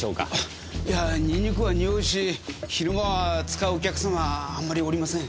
いやニンニクはにおうし昼間は使うお客様はあんまりおりません。